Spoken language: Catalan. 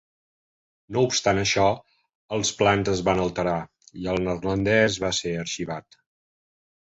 No obstant això, els plans es van alterar i el neerlandès va ser arxivat.